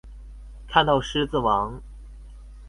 看到獅子王